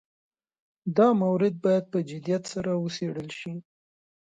دا مورد باید په جدیت سره وڅېړل شي.